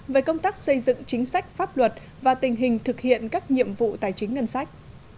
về công tác xây dựng chính sách pháp luật và tình hình thực hiện các nhiệm vụ tài chính ngân sách